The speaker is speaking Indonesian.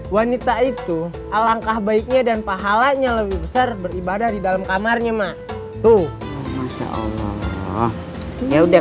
wanita itu alangkah baiknya dan pahalanya lebih besar beribadah di dalam kamarnya mak tuh masya allah ya udah